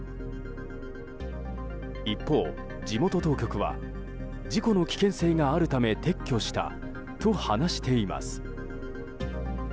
一方、地元当局は事故の危険性があるため撤去したと話しています。